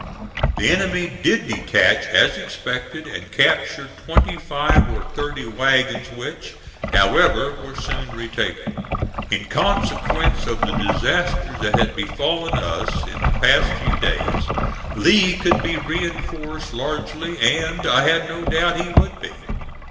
The enemy did detach as expected, and captured twenty five or thirty wagons which, however, were soon retaken. In consequence of the disasters that had befallen us in the past few days, Lee could be reinforced largely, and I had no doubt he would be.